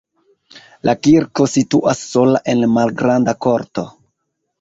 La kirko situas sola en malgranda korto.